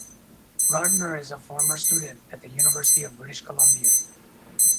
Gardiner is a former student at the University of British Columbia.